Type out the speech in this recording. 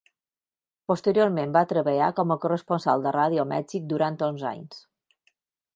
Posteriorment va treballar com a corresponsal de ràdio a Mèxic durant onze anys.